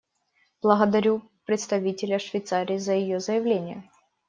Благодарю представителя Швейцарии за ее заявление.